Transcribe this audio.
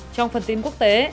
trong phần tin quốc tế